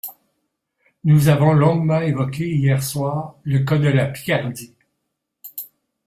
Nous avons longuement évoqué hier soir le cas de la Picardie.